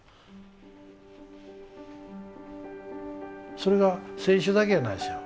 それが選手だけやないですよ。